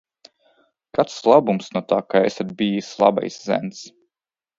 Kāds labums no tā, ka esat bijis labais zēns?